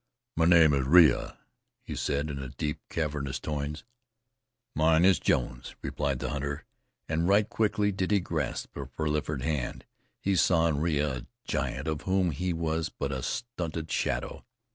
"My name is Rea," he said, in deep, cavernous tones. "Mine is Jones," replied the hunter, and right quickly did he grip the proffered hand. He saw in Rea a giant, of whom he was but a stunted shadow.